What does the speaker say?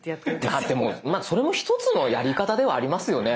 ああでもそれも１つのやり方ではありますよね。